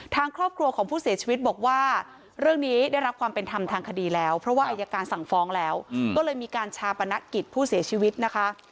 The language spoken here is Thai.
ทางครอบครัวของผู้เสียชีวิตบอกว่าเรื่องนี้ได้รับความเป็นธรรมทางคดีแล้วเพราะว่าอายการสั่งฟ้องแล้วก็เลยมีการชาปนกิจผู้เสียชีวิตนะคะ